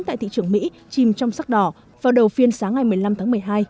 tại thị trường mỹ chìm trong sắc đỏ vào đầu phiên sáng ngày một mươi năm tháng một mươi hai